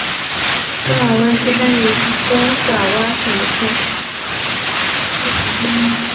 司马温出生于东爪哇省的村。